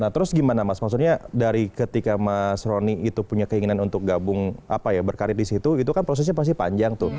nah terus gimana mas maksudnya dari ketika mas roni itu punya keinginan untuk gabung apa ya berkarir di situ itu kan prosesnya pasti panjang tuh